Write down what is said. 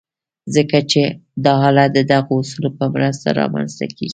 ځکه چې دا حالت د دغو اصولو په مرسته رامنځته کېږي.